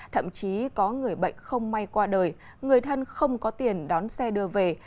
thậm chí có người bệnh không may qua đời người thân không có tiền đón xe đưa về